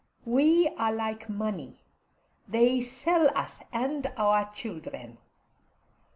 We are like money; they sell us and our children.